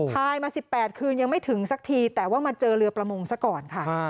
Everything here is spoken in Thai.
พายมา๑๘คืนยังไม่ถึงสักทีแต่ว่ามาเจอเรือประมงซะก่อนค่ะ